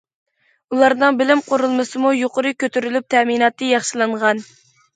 ئۇلارنىڭ بېلىم قۇرۇلمىسىمۇ يۇقىرى كۆتۈرۈلۈپ، تەمىناتى ياخشىلانغان.